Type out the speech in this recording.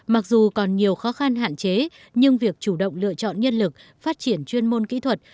mặc dù còn nhiều khó khăn hạn chế nhưng việc chủ động lựa chọn nhân lực phát triển chuyên môn kỹ thuật